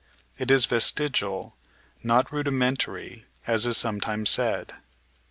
It is vestigial, not rudimentary, as is sometimes said.